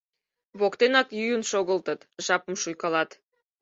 Воктенак йӱын шогылтыт, жапым шуйкалат.